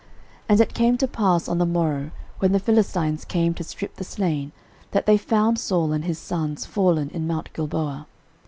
13:010:008 And it came to pass on the morrow, when the Philistines came to strip the slain, that they found Saul and his sons fallen in mount Gilboa.